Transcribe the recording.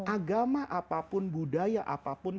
agama apapun budaya apapun